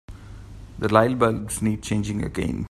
The lightbulbs need changing again.